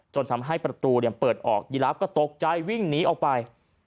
จนทำให้ประตูเปิดออกยีราฟก็ตกใจวิ่งหนีออกไป